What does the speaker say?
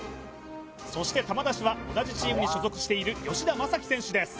そして球出しは同じチームに所属している吉田雅己選手です